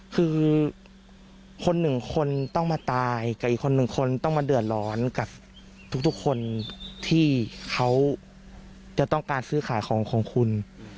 คือคนหนึ่งคนต้องมาตายกับอีกคนหนึ่งคนต้องมาเดือดร้อนกับทุกคนที่เขาจะต้องการซื้อขายของของคุณ